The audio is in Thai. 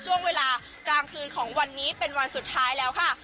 ช่วงเวลากลางคืนของวันนี้เป็นวันสุดท้ายแล้วค่ะ